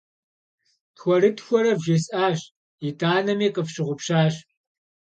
Тхуэрытхуэрэ вжесӏащ, итӏанэми къыфщыгъупщащ.